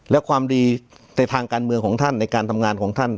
และความดีในทางการเมืองของท่านในการทำงานของท่าน